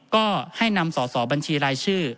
ก็ให้นำสอสอบัญชีรายชื่อ